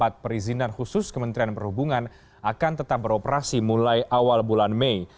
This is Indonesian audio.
tetap beroperasi mulai awal bulan mei